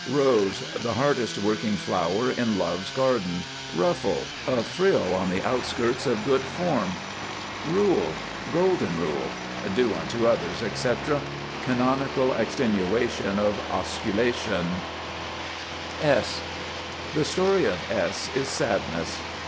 ROSE. The hardest working flower in Love's Garden. RUFFLE. A frill on the outskirts of good form. RULE, Golden Rule. "Do unto others," etc. Canonical extenuation of Osculation. S [Illustration: S] The story of S is Sadness.